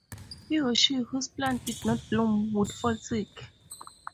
He or she whose plant did not bloom would fall sick.